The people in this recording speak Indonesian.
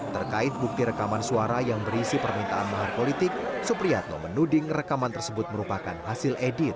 terkait bukti rekaman suara yang berisi permintaan mahar politik supriyatno menuding rekaman tersebut merupakan hasil edit